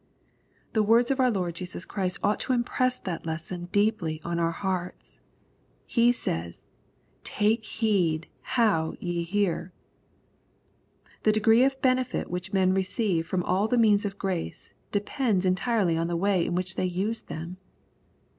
The words of our Lord Jesus Christ ought to impress that lesson deeply on our hearts. He says, " Take heed how ye hear." The degree of benefit which men receive from all the means of grace depends entirely on the way in which they use them.